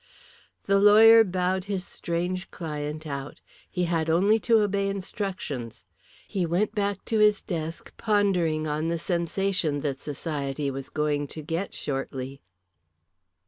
The lawyer bowed his strange client out. He had only to obey instructions. He went back to his desk pondering on the sensation that society was going to get shortly.